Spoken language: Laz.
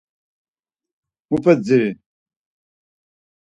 Muepe dziri?